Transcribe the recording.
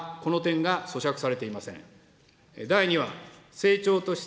骨太の方針はこの点がそしゃくされていません。